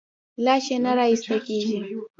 لاش یې نه راایستل کېږي.